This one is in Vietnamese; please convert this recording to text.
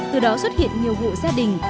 từ đó xuất hiện nhiều vụ gia đình